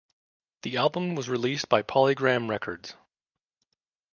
The album was released by PolyGram Records.